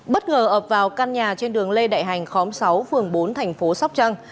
bất ngờ ập vào căn nhà trên đường lê đại hành khóm sáu phường bốn thành phố sóc trăng